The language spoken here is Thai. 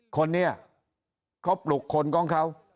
คนนี้เขาปลุกคนของเขา